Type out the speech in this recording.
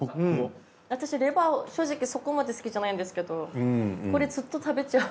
私レバー正直そこまで好きじゃないんですけどこれずっと食べちゃう。